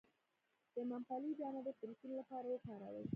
د ممپلی دانه د پروتین لپاره وکاروئ